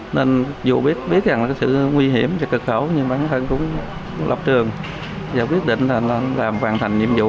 nên dù biết rằng là sự nguy hiểm và cực khổ nhưng bản thân cũng lọc trường và quyết định là hoàn thành nhiệm vụ